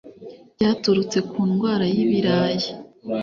ryaturutse ku ndwara y’ibirayi